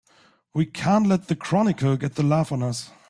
We can't let the Chronicle get the laugh on us!